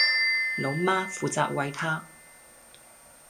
老媽負責餵她